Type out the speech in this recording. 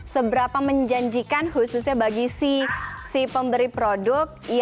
seberapa menjanjikan khususnya bagi si pemberi produk